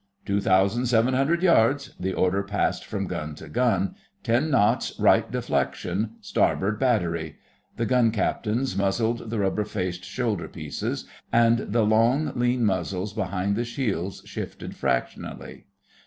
'Two thousand seven hundred yards,'—the order passed from gun to gun—'ten knots right deflection—starboard battery.' The gun captains muzzled the rubber faced shoulder pieces, and the long lean muzzles behind the shields shifted fractionally.